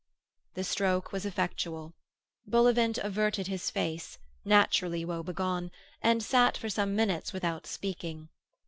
The stroke was effectual. Bullivant averted his face, naturally woebegone, and sat for some minutes without speaking.